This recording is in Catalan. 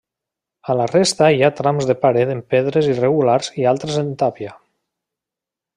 A la resta hi ha trams de paret en pedres irregulars i altres en tàpia.